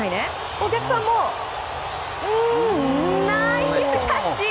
お客さんもナイスキャッチ！